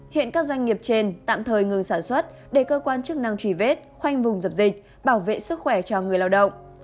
hiện các doanh nghiệp trên tạm thời ngừng sản xuất để cơ quan chức năng truy vết khoanh vùng dập dịch bảo vệ sức khỏe cho người lao động